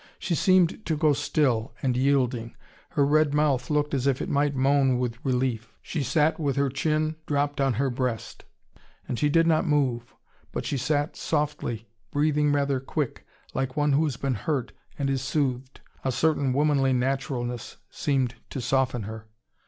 She seemed to go still, and yielding. Her red mouth looked as if it might moan with relief. She sat with her chin dropped on her breast, listening. And she did not move. But she sat softly, breathing rather quick, like one who has been hurt, and is soothed. A certain womanly naturalness seemed to soften her.